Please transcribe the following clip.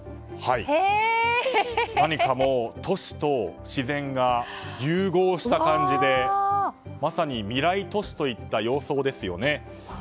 何かもう、都市と自然が融合した感じでまさに未来都市といった様相ですよね。